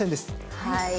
はい。